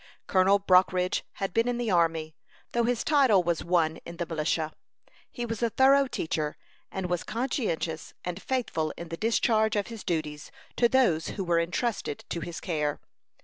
Colonel Brockridge had been in the army, though his title was won in the militia. He was a thorough teacher, and was conscientious and faithful in the discharge of his duties to those who were intrusted to his care.